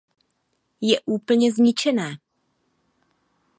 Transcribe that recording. Je úplně zničené.